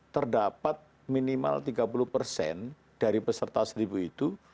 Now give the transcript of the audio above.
terdapat minimal tiga puluh persen dari peserta seribu itu